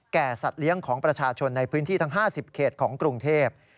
สัตว์เลี้ยงของประชาชนในพื้นที่ทั้ง๕๐เขตของกรุงเทพ